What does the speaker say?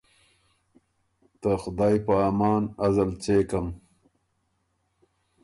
”ته خدایٛ په امان! ازل څېکم“